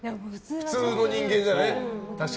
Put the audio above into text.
普通の人間じゃね。